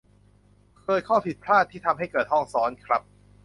เกิดข้อผิดพลาดที่ทำให้เกิดห้องซ้อนครับ